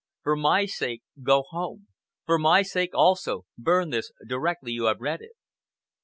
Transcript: "For my sake, go home! For my sake, also, burn this directly you have read it."